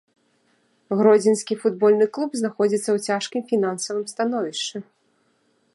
Гродзенскі футбольны клуб знаходзіцца ў цяжкім фінансавым становішчы.